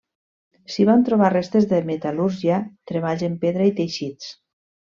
S’hi van trobar restes de metal·lúrgia, treballs en pedra i teixits.